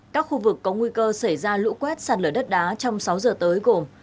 các khu vực có nguy cơ xảy ra lũ quét sạt lở đất đá trong sáu giờ tới gồm